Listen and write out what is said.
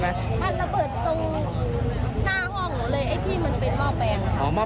มันระเบิดตรงหน้าห้องหนูเลยไอ้ที่มันเป็นหม้อแปลงค่ะ